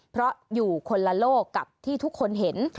เพราะอยู่คนละโลกกับที่ทุกคนเห็น